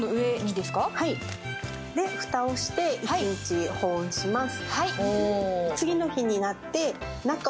で、蓋をして一日保温します。